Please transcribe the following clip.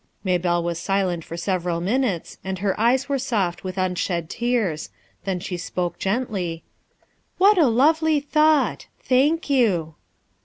Maybelle was silent for several minutes, and her eyes were soft with unshed tears. Then she spoke gently: — "What a lovely thought! thank you."